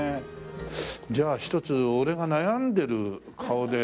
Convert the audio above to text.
じゃあ一つ俺が悩んでる顔で。